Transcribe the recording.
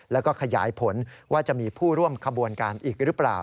แล้วก็ขยายผลว่าจะมีผู้ร่วมขบวนการอีกหรือเปล่า